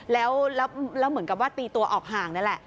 แล้วเหมือนกับว่าตีตัวออกห่างนั่นแหละ